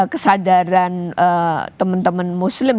kesadaran teman teman muslim